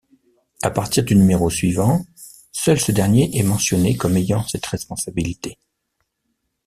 À partir du numéro suivant, seul ce dernier est mentionné comme ayant cette responsabilité.